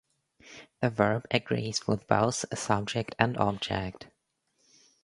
The verb agrees with both subject and object.